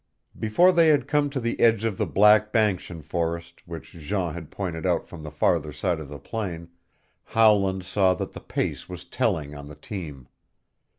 Before they had come to the edge of the black banskian forest which Jean had pointed out from the farther side of the plain, Howland saw that the pace was telling on the team.